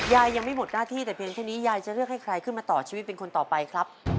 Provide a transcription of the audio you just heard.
ยังไม่หมดหน้าที่แต่เพียงแค่นี้ยายจะเลือกให้ใครขึ้นมาต่อชีวิตเป็นคนต่อไปครับ